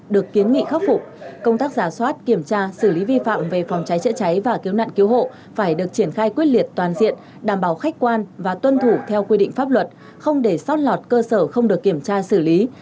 được kiến nghị khắc phục công tác giả soát kiểm tra xử lý vi phạm về phòng cháy chữa cháy và cứu nạn cứu hộ phải được triển khai quyết liệt toàn diện đảm bảo khách quan và tuân thủ theo quy định pháp luật không để sót lọt cơ sở không được kiểm tra xử lý